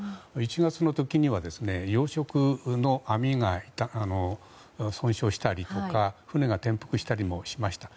１月の時には養殖の網が損傷したりとか船が転覆したりもしました。